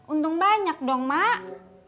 untung banyak dong mak